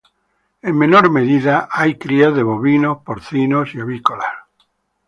En menor medida, hay crías de bovinos, porcinos y avícolas.